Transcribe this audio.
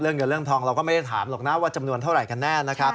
เงินเรื่องทองเราก็ไม่ได้ถามหรอกนะว่าจำนวนเท่าไหร่กันแน่นะครับ